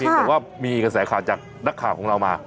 แต่ก็มีแขนวิชาศาสตร์จากนักข่าวของเรามา